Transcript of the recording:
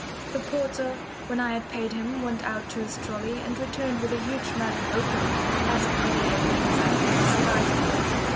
The porter when I had paid him went out to his trolly and returned with a huge mat of oakum, as ugly a thing as I have ever set eyes upon.